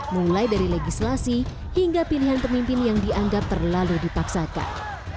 mulai dari legislasi hingga pilihan pemimpin yang dianggap terlalu dipaksakan